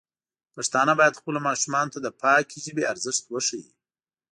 پښتانه بايد خپلو ماشومانو ته د پاکې ژبې ارزښت وښيي.